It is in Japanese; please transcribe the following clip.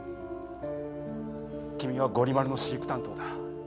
君はゴリ丸の飼育担当だ。